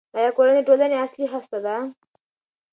آیا کورنۍ د ټولنې اصلي هسته ده؟